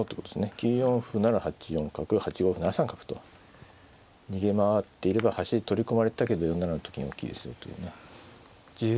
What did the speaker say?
９四歩なら８四角８五歩７三角と逃げ回っていれば端で取り込まれたけど４七のと金は大きいですよというね。